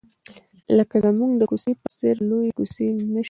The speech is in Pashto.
لکه زموږ د کوڅې په څېر لویې کوڅې نشته.